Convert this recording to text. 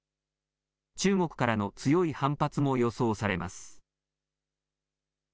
中国からの強い反発も予想されます。